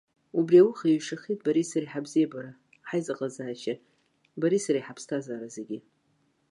Убри ауха еиҩшахеит бареи сареи ҳабзиабара, ҳаизыҟазаашьа, бареи сареи ҳаԥсҭазаара зегьы.